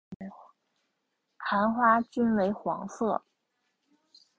盘花均为黄色。